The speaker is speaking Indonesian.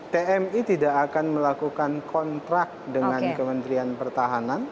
tmi tidak akan melakukan kontrak dengan kementerian pertahanan